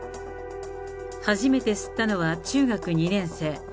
初めて吸ったのは中学２年生。